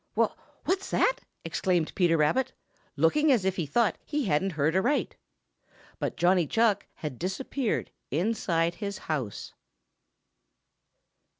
"Wha what's that?" exclaimed Peter Rabbit, looking as if he thought he hadn't heard aright. But Johnny Chuck had disappeared inside his house.